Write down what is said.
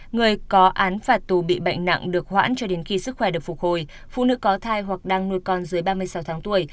người có án phạt tù bị bệnh nặng được hoãn cho đến khi sức khỏe được phục hồi phụ nữ có thai hoặc đang nuôi con dưới ba mươi sáu tháng tuổi